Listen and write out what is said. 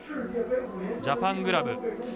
ジャパングラブ。